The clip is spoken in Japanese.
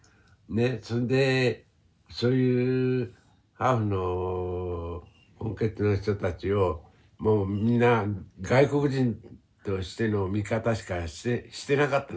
それでそういうハーフの混血の人たちをもうみんな外国人としての見方しかしてなかった。